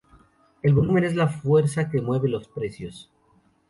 El volumen es la fuerza que mueve los precios.